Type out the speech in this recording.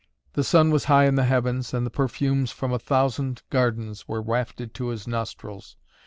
The sun was high in the heavens and the perfumes from a thousand gardens were wafted to his nostrils.